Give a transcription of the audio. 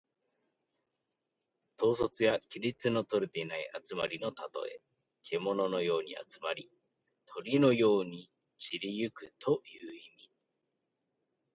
統率や規律のとれていない集まりのたとえ。けもののように集まり、鳥のように散り行くという意味。